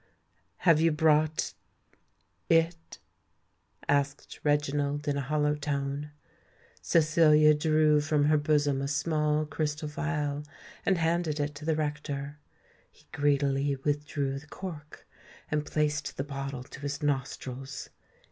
"Have you brought—it?" asked Reginald in a hollow tone. Cecilia drew from her bosom a small crystal phial, and handed it to the rector. He greedily withdrew the cork, and placed the bottle to his nostrils.